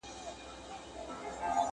o پردی سپى، په ډوډۍ خپل٫